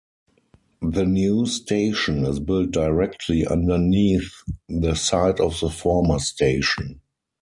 The new station is built directly underneath the site of the former station.